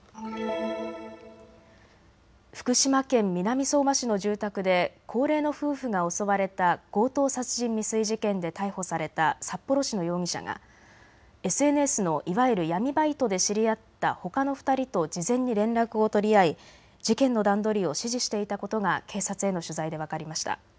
福島県南相馬市の住宅で高齢の夫婦が襲われた強盗殺人未遂事件で逮捕された札幌市の容疑者がＳＮＳのいわゆる闇バイトで知り合ったほかの２人と事前に連絡を取り合い事件の段取りを指示していたことが警察への取材で分かりました。